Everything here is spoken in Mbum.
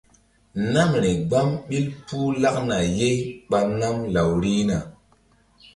Namri gbam ɓil puh lakna ye ɓa nam law rihna.